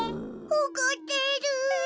おこってる。